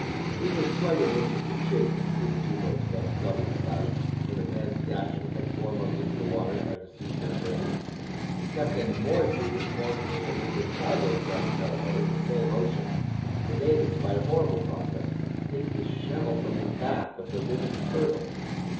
It was quite an interesting chase to see the two boats thus doubling about, and the men dashing head foremost into the water trying to seize their prey. Captain Moresby informs me that in the Chagos archipelago in this same ocean, the natives, by a horrible process, take the shell from the back of the living turtle.